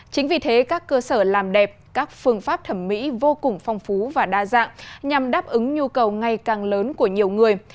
chính vì thế các cơ sở làm đẹp các phương pháp thẩm mỹ vô cùng phong phú và đa dạng nhằm đáp ứng nhu cầu ngày càng lớn của nhiều người